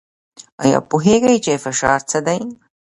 ایا پوهیږئ چې فشار څه دی؟